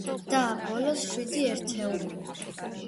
და ბოლოს, შვიდი ერთეული.